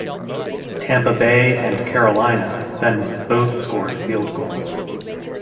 Tampa Bay and Carolina then both scored field goals.